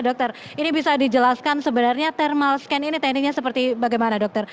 dokter ini bisa dijelaskan sebenarnya thermal scan ini tekniknya seperti bagaimana dokter